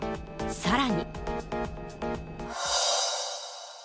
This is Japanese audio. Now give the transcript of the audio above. さらに。